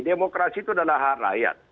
demokrasi itu adalah hak rakyat